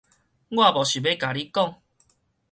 我無想欲共你講